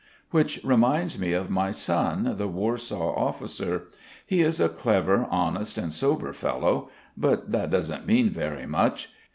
Which reminds me of my son, the Warsaw officer. He is a clever, honest, and sober fellow. But that doesn't mean very much.